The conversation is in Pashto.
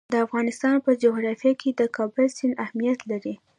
د افغانستان په جغرافیه کې د کابل سیند اهمیت لري.